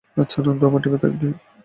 আচ্ছা, নান্দু আমার টিমে থাকবে।